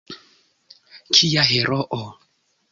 Kia heroo!